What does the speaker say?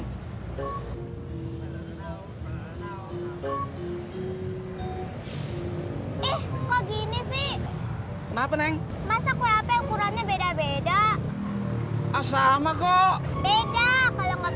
eh kok gini sih kenapa neng masa kue apa ukurannya beda beda sama kok beda kalau nggak